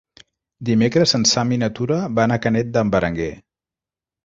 Dimecres en Sam i na Tura van a Canet d'en Berenguer.